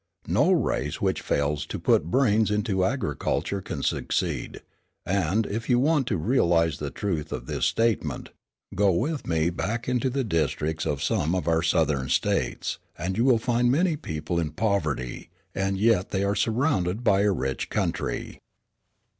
No race which fails to put brains into agriculture can succeed; and, if you want to realize the truth of this statement, go with me into the back districts of some of our Southern States, and you will find many people in poverty, and yet they are surrounded by a rich country.